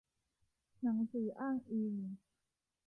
หนังสืออ้างอิง